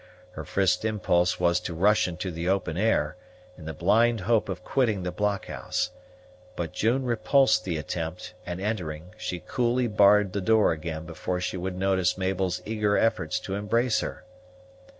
Her first impulse was to rush into the open air, in the blind hope of quitting the blockhouse; but June repulsed the attempt, and entering, she coolly barred the door again before she would notice Mabel's eager efforts to embrace her.